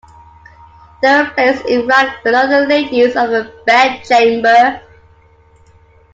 They were placed in rank below the Ladies of the Bedchamber.